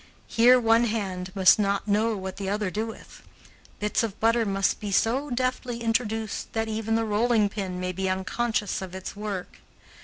Here one hand must not know what the other doeth. Bits of butter must be so deftly introduced that even the rolling pin may be unconscious of its work.